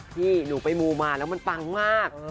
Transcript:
พี่หนูไปมูมาแล้วมันปังมาก